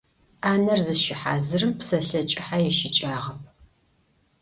Ӏанэр зыщыхьазырым псэлъэ кӏыхьэ ищыкӏагъэп.